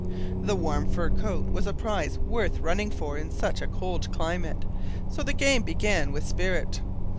The warm fur coat was a prize worth running for in such a cold climate, so the game began with spirit.